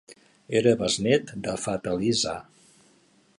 Era besnét de Fath Ali Shah.